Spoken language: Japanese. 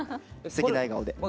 すてきな笑顔で。